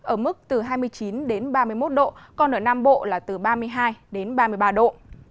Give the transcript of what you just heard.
ở mức từ hai mươi chín đến ba mươi một độ còn ở nam bộ là từ ba mươi hai đến ba mươi ba độ